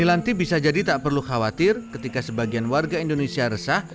milanti bisa jadi tak perlu khawatir ketika sebagian warga indonesia resah